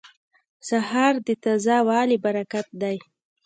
سهار د تازه والي برکت دی.